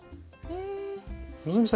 希さん